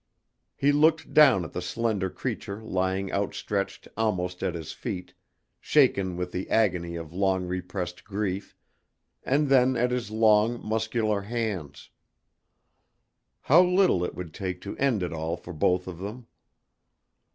He looked down at the slender creature lying outstretched almost at his feet, shaken with the agony of long repressed grief, and then at his long, muscular hands. How little it would take to end it all for both of them!